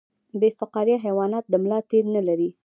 بې فقاریه حیوانات د ملا تیر نلري